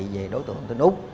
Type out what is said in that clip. về đối tượng tên úc